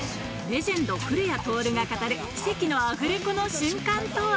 レジェンド古谷徹が語る奇跡のアフレコの瞬間とは？